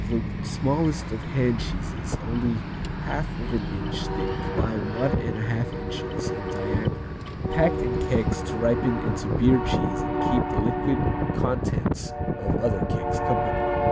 The smallest of hand cheeses, only 1/2 of an inch thick by 1 1/2 inches in diameter. Packed in kegs to ripen into beer cheese and keep the liquid contents of other kegs company.